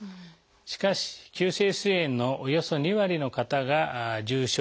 しかし急性すい炎のおよそ２割の方が重症の方です。